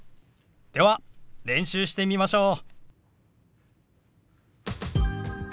では練習してみましょう。